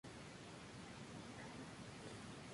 El fondo blanco simboliza la paz.